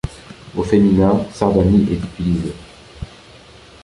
Au féminin, Sardani est utilisé.